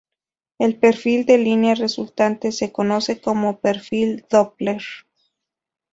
El perfil de línea resultante se conoce como perfil Doppler.